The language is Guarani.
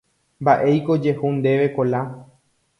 Mba'éiko ojehu ndéve Kola.